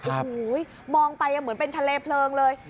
โอ้โหมองไปเหมือนเป็นทะเลเพลิงเลย